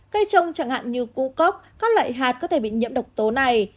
cây trông chẳng hạn như cu cốc các loại hạt có thể bị nhiễm độc tố này